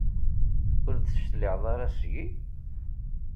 Ur d-tecliɛeḍ ara seg-i?